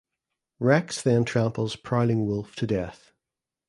Rex then tramples Prowling Wolf to death.